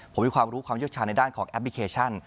ผมมีความรู้ความเชี่ยวชาญในด้านของแอปพลิเคชัน